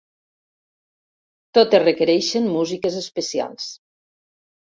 Totes requereixen músiques especials.